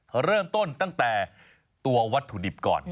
เริ่มต้นตั้งแต่ตัววัตถุดิบก่อน